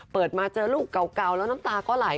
เปิดมาเจอลูกเก่าแล้วน้ำตาก็ไหล